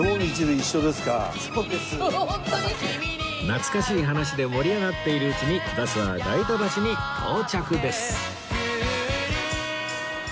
懐かしい話で盛り上がっているうちにバスは代田橋に到着です